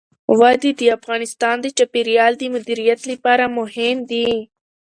وادي د افغانستان د چاپیریال د مدیریت لپاره مهم دي.